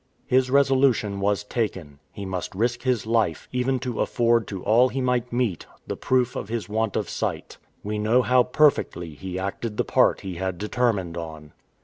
His resolution was taken. He must risk his life even to afford to all he might meet the proof of his want of sight. We know how perfectly he acted the part he had determined on.